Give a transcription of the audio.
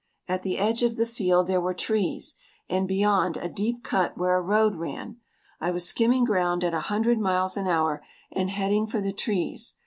At the edge of the field there were trees, and beyond, a deep cut where a road ran. I was skimming ground at a hundred miles an hour and heading for the trees.